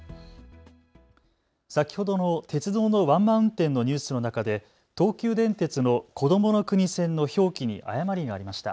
先ほどの鉄道のワンマン運転のニュースの中で東急電鉄のこどもの国線の表記に誤りがありました。